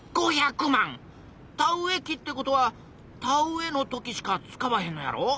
田植え機ってことは田植えの時しか使わへんのやろ？